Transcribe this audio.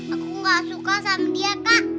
aku nggak suka sama dia kak